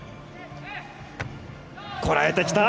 こらえてきた。